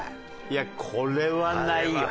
いやこれはないよ。